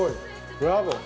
ブラボー。